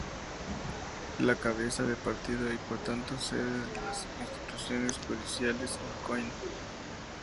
La cabeza de partido y por tanto sede de las instituciones judiciales es Coín.